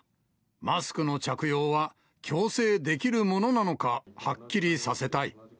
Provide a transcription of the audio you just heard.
マスクの着用は強制できるものなのか、はっきりさせたい。